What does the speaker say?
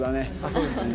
そうですね。